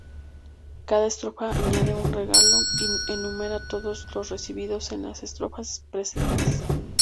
Cada estrofa añade un regalo y enumera todos los recibidos en las estrofas precedentes.